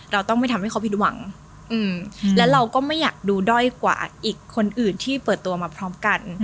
เราต้องไม่ทำให้เขาผิดหวังและเราก็ไม่อยากดูด้อยกว่าอีกคนอื่นที่เปิดตัวมาพร้อมกัน